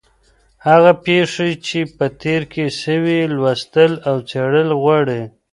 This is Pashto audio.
هغه پېښې چي په تېر کي سوې، لوستل او څېړل غواړي.